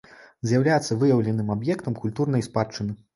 З'яўляецца выяўленым аб'ектам культурнай спадчыны.